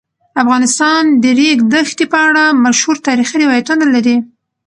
افغانستان د د ریګ دښتې په اړه مشهور تاریخی روایتونه لري.